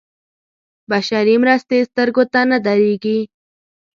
بشري مرستې سترګو ته نه درېږي.